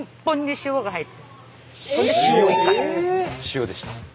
塩でした。